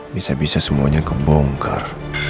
bisa bisa semuanya kebongkar